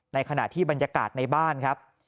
ในขณะที่บรรยากาศในบ้านครับ